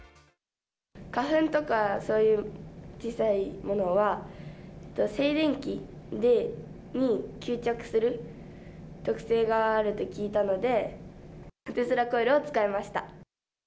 花粉とか、そういう小さいものは、静電気に吸着する特性があると聞いたので、テスラコイルを使いました。